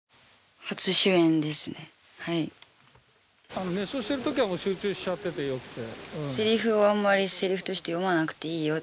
あの熱唱してる時は集中しちゃっててよくて。